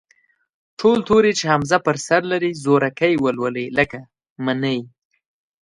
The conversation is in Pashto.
ټول توري چې همزه پر سر لري، زورکی ولولئ، لکه: مٔنی.